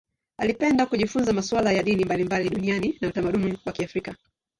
Alipenda kujifunza masuala ya dini mbalimbali duniani na utamaduni wa Kiafrika.